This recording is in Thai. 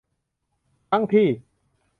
ครั้งที่